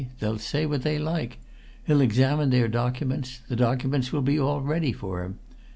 They'll say what they like. He'll examine their documents. The documents will be all ready for him.